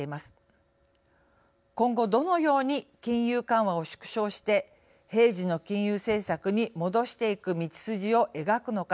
今後どのように金融緩和を縮小して平時の金融政策に戻していく道筋を描くのか。